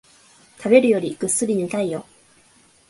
食べるよりぐっすり寝たいよ